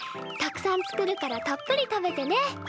たくさん作るからたっぷり食べてね。